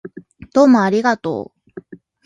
どうもありがとう